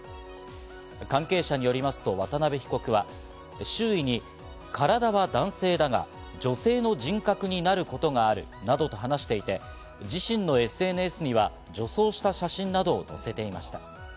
関係者によりますと渡辺被告は、周囲に、体は男性だが、女性の人格になることがあるなどと話していて、自身のＳＮＳには女装した写真などを載せていました。